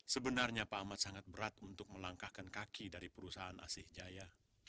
sebenarnya pak ahmad sangat berat untuk melangkahkan kaki dari perusahaan asih jaya